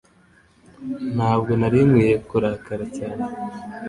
Ntabwo nari nkwiye kurakara cyane